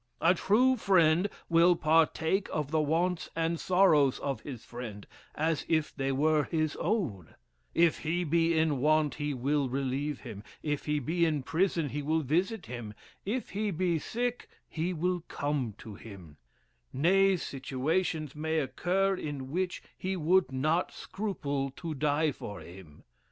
A true friend will partake of the wants and sorrows of his friend, as if they were his own; if he be in want, he will relieve him; if he be in prison, he will visit him; if he be sick, he will come to him; nay situations may occur, in which he would not scruple to die for him.